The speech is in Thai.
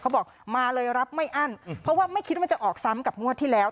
เขาบอกมาเลยรับไม่อั้นเพราะว่าไม่คิดว่าจะออกซ้ำกับงวดที่แล้ว